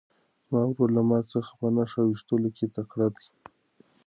زما ورور له ما څخه په نښه ویشتلو کې تکړه دی.